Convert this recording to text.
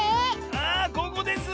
あここです！